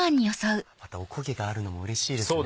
またお焦げがあるのもうれしいですね。